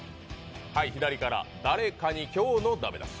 左から誰かに今日の駄目出し。